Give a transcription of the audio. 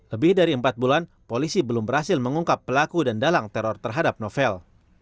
lebih dari empat bulan polisi belum berhasil mengungkap pelaku dan dalang teror terhadap novel